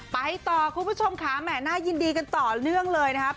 ไปต่อคุณผู้ชมค่ะแหม่น่ายินดีกันต่อเนื่องเลยนะครับ